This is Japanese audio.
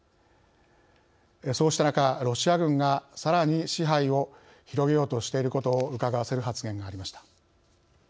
そうした中、ロシア軍がさらに支配を広げようとしていることをうかがわせる発言がありました。